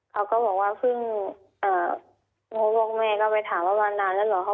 เขาก็บอกว่าเพิ่งโทรบอกแม่ก็ไปถามว่ามานานแล้วเหรอ